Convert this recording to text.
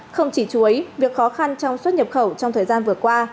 không chỉ chuối việc khó khăn trong xuất nhập khẩu trong thời gian vừa qua